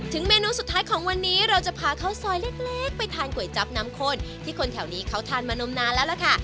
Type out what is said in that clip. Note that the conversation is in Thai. เมนูสุดท้ายของวันนี้เราจะพาข้าวซอยเล็กไปทานก๋วยจับน้ำข้นที่คนแถวนี้เขาทานมานมนานแล้วล่ะค่ะ